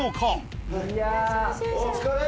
お疲れ！